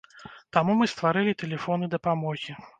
Таму мы стварылі тэлефоны дапамогі.